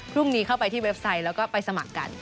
พรุ่งนี้เข้าไปที่เว็บไซต์แล้วก็ไปสมัครกัน